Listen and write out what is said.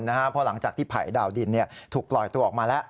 เพราะหลังจากที่ไผ่ดาวดินถูกปล่อยตัวออกมาแล้ว